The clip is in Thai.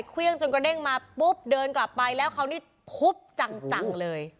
เครื่องจนกระเด้งมาปุ๊บเดินกลับไปแล้วเขานี่ทุบจังเลย